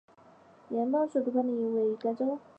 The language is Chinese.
联邦首都帕利基尔位于该州。